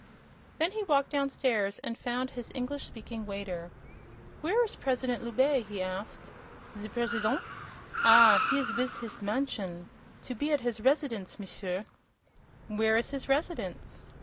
Then he walked down stairs and found his English speaking waiter. "Where's President Loubet?" he asked. "Ze President! Ah, he is wiz his mansion. To be at his residence, M'sieur." "Where is his residence?"